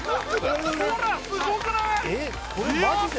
ほらすごくない？